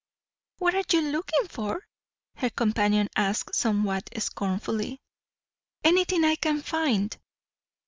"What are you looking for?" her companion asked, somewhat scornfully. "Anything I can find!"